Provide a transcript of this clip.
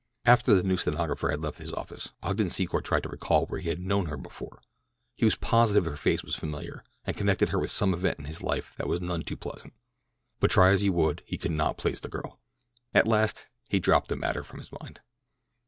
After the new stenographer had left his office, Ogden Secor tried to recall where he had known her before. He was positive that her face was familiar, and connected with some event in his life that was none too pleasant; but try as he would he could not place the girl. At last he dropped the matter from his mind.